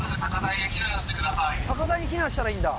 高台に避難したらいいんだ。